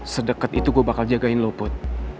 sedeket itu gue bakal jagain lo put